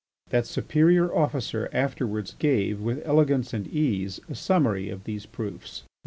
That superior officer afterwards gave, with elegance and ease, a summary of those proofs.